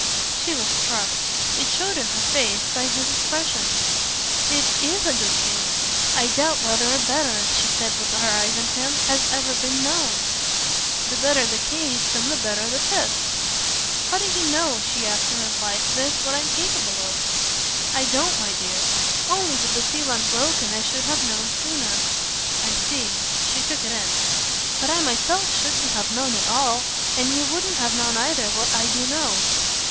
She was struck it showed in her face by his expression. "It IS a good case. I doubt whether a better," she said with her eyes on him, "has ever been known." "The better the case then the better the test!" "How do you know," she asked in reply to this, "what I'm capable of?" "I don't, my dear! Only with the seal unbroken I should have known sooner." "I see" she took it in. "But I myself shouldn't have known at all. And you wouldn't have known, either, what I do know."